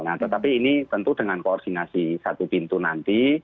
nah tetapi ini tentu dengan koordinasi satu pintu nanti